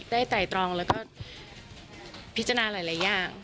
ไต่ตรองแล้วก็พิจารณาหลายอย่าง